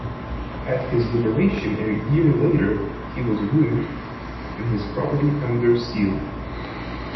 At his liberation a year later, he was ruined, and his property under seal.